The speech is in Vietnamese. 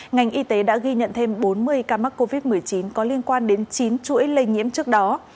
ngành y tế đã ghi nhận thêm bốn mươi ca mắc covid một mươi chín có liên quan đến chín chuỗi lây nhiễm trước đó